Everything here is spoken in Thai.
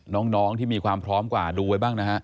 น้องที่มีความพร้อมกว่าดูไว้บ้างนะฮะ